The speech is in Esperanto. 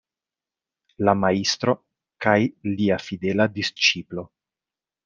La Majstro kaj lia fidela disĉiplo.